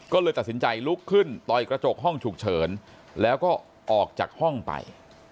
ก็เลยตัดสินใจลุกขึ้นต่อยกระจกห้องฉุกเฉินแล้วก็ออกจากห้องไป